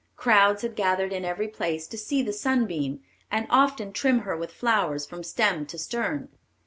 Crowds had gathered in every place to see the Sunbeam, and often trim her with flowers from stem to stern.